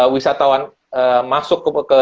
wisatawan masuk ke